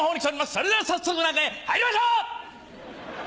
それでは早速中へ入りましょう！